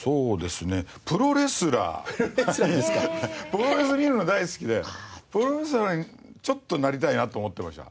プロレス見るのが大好きでプロレスラーにちょっとなりたいなと思ってました。